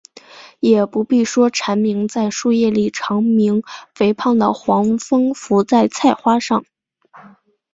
也不必说鸣蝉在树叶里长吟，肥胖的黄蜂伏在菜花上